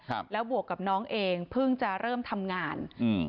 ครับแล้วบวกกับน้องเองเพิ่งจะเริ่มทำงานอืม